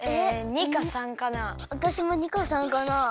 わたしも②か③かな。